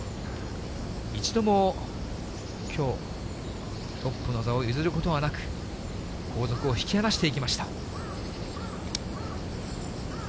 一度もきょう、トップの座を譲ることはなく、後続を引き離していきました。